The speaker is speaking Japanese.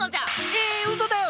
ええうそだよ